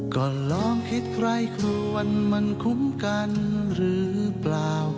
ก่อนลองคิดใกล้คือวันมันคุ้มกันหรือเปล่า